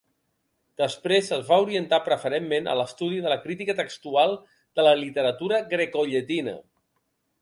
Després es va orientar preferentment a l'estudi de la crítica textual de la literatura grecollatina.